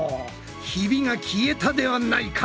ヒビが消えたではないか！